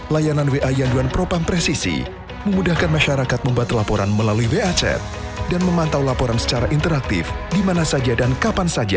layanan wa yanduan propam presisi memudahkan masyarakat membuat laporan melalui wa chat dan memantau laporan secara interaktif di mana saja dan kapan saja